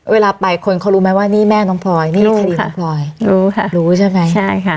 เวลาไปคนเขารู้ไหมว่านี่แม่น้องพลอยนี่คดีน้องพลอยรู้ค่ะรู้ใช่ไหมใช่ค่ะ